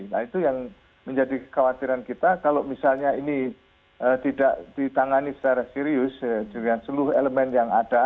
nah itu yang menjadi kekhawatiran kita kalau misalnya ini tidak ditangani secara serius dengan seluruh elemen yang ada